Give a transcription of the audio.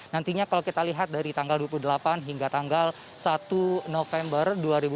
nantinya kalau kita lihat dari tanggal dua puluh delapan hingga tanggal satu november dua ribu dua puluh